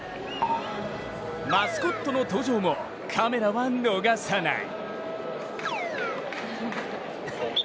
マスコットの登場もカメラは逃さない。